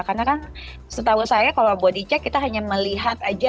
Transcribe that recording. karena kan setahu saya kalau body check kita hanya melihat aja